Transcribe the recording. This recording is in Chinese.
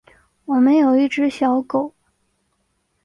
我们有一只小狗